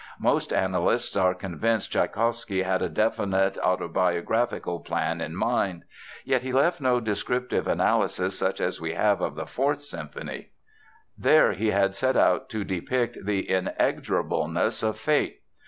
Most analysts are convinced Tschaikowsky had a definite, autobiographical plan in mind. Yet he left no descriptive analysis such as we have of the Fourth Symphony. There he had set out to depict the "inexorableness of fate."